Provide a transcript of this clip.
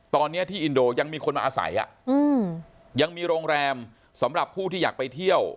ตอนนี้ที่อินโดยังมีคนมาอาศัยยังมีโรงแรมสำหรับผู้ที่อยากไปเที่ยว